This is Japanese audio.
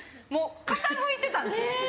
もう傾いてたんですよ